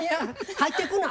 入ってくな。